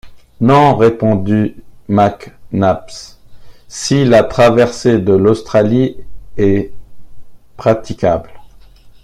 Non, répondit Mac Nabbs, si la traversée de l’Australie est praticable.